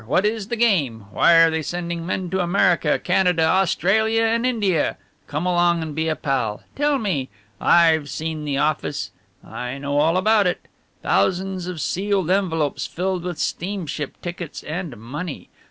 What is the game? Why are they sending men to America, Canada, Australia and India? Come along and be a pal! Tell me! I've seen the office, I know all about it. Thousands of sealed envelopes filled with steamship tickets and money.